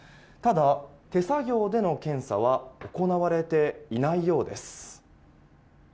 ただ、手作業での検査は行われていないようです。